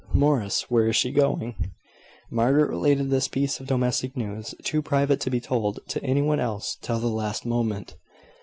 "Morris! where is she going?" Margaret related this piece of domestic news, too private to be told to any one else till the last moment.